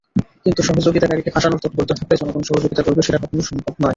কিন্তু সহযোগিতাকারীকে ফাঁসানোর তৎপরতা থাকলে জনগণ সহযোগিতা করবে, সেটা কখনো সম্ভব নয়।